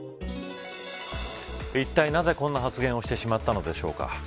いったい、なぜこんな発言をしてしまったのでしょうか。